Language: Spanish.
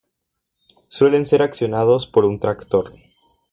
Suelen ser accionados por un tractor.